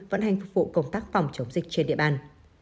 vận hành phục vụ công tác phòng chống dịch trên địa bàn